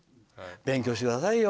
勉強してくださいよ。